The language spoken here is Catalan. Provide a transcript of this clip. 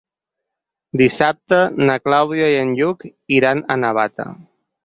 Dissabte na Clàudia i en Lluc iran a Navata.